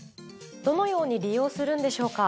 どのように利用するんでしょうか？